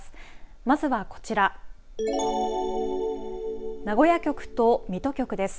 まずはこちら名古屋局と水戸局です。